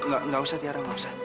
gak gak usah tiara gak usah